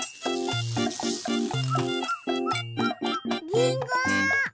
りんご！